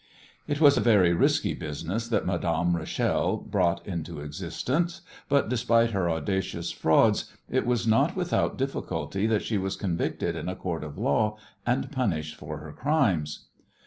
It was a very risky business that Madame Rachel brought into existence, but, despite her audacious frauds, it was not without difficulty that she was convicted in a court of law and punished for her crimes.